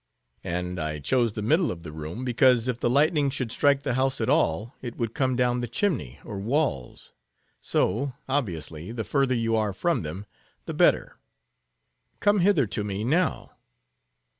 —and I choose the middle of the room, because if the lightning should strike the house at all, it would come down the chimney or walls; so, obviously, the further you are from them, the better. Come hither to me, now."